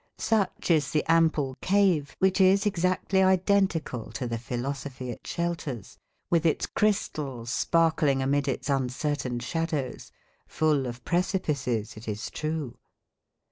Such is the ample cave which is exactly identical to the philosophy it shelters, with its crystals sparkling amid its uncertain shadows full of precipices, it is true.